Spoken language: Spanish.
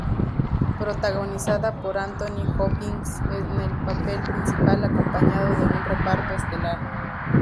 Protagonizada por Anthony Hopkins en el papel principal, acompañado de un reparto estelar.